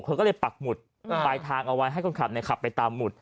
ไม่ถูกเขาก็เลยปักหมุดอ่าปลายทางเอาไว้ให้คนขับในค่ะไปตามหมุด